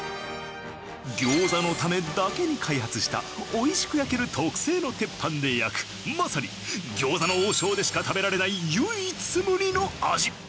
餃子のためだけに開発した美味しく焼ける特製の鉄板で焼くまさに餃子の王将でしか食べられない唯一無二の味。